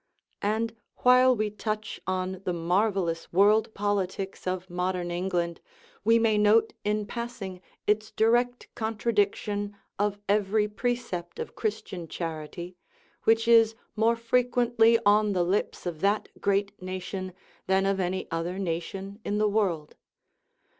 And, while we touch on the marvellous world politics of modern England, we may note in passing its direct contradiction of every precept of Christian charity, which is more frequently on the lips of that great nation than of any other nation in the world.